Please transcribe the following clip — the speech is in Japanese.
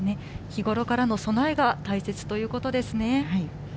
日頃からの備えが大切ということですね。